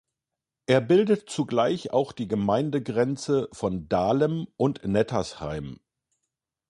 Er bildet zugleich auch die Gemeindegrenze von Dahlem und Nettersheim.